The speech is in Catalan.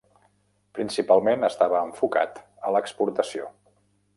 Principalment estava enfocat a l'exportació.